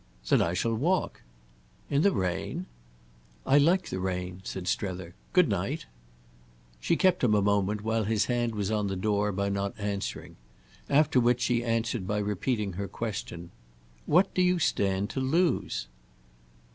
"Then I shall walk." "In the rain?" "I like the rain," said Strether. "Good night!" She kept him a moment, while his hand was on the door, by not answering; after which she answered by repeating her question. "What do you stand to lose?"